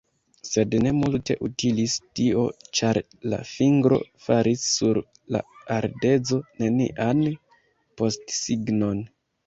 Sed ne multe utilis tio, ĉar la fingro faris sur la ardezo nenian postsignon.